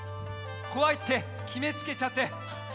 こわいってきめつけちゃって。